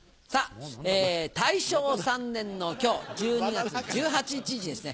大正３年の今日１２月１８日にですね